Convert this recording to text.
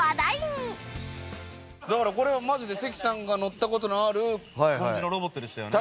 だからこれはマジで関さんが乗った事のある感じのロボットでしたよね。